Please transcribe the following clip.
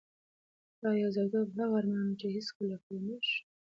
دا د یوازیتوب هغه ارمان و چې هیڅکله پوره نشو.